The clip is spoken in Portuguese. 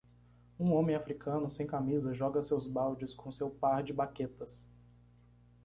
Um homem Africano sem camisa joga seus baldes com seu par de baquetas.